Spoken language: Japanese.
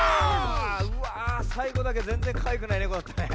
うわさいごだけぜんぜんかわいくないネコだったね。